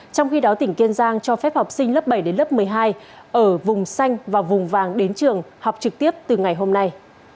trong khi đó tỉnh kiên giang cho phép học sinh lớp bảy đến lớp một mươi hai ở vùng xanh và vùng vàng đến trường học trực tiếp từ ngày hôm nay